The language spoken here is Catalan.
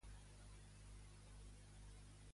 Vaig voler ficar-lo sota la terra fins a la seva taüt.